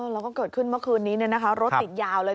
แล้วก็เกิดขึ้นเมื่อคืนนี้รถติดยาวเลย